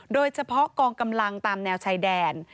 โดยเฉพาะกองกำลังตามแนวชายแดน